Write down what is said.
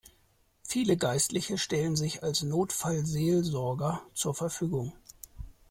Viele Geistliche stellten sich als Notfallseelsorger zur Verfügung.